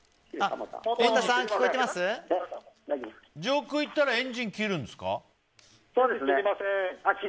上空に行ったらエンジン切るんですか？